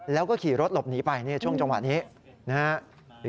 แล้วก็ขี่รถหลบหนีไปช่วงจังหวะนี้นะครับ